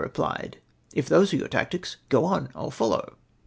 replied I, "if those are your tactics, go on, I'll follow."